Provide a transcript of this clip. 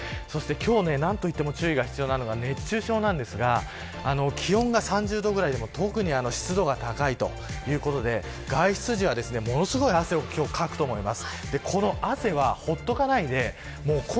今日、何と言っても注意が必要なのが熱中症なんですが気温が３０度くらいでも特に湿度が高いということで外出時はものすごい汗をかくと思います。